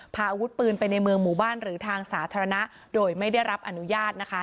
พาอาวุธปืนไปในเมืองหมู่บ้านหรือทางสาธารณะโดยไม่ได้รับอนุญาตนะคะ